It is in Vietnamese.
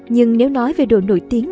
nhưng nếu nói về độ nổi tiếng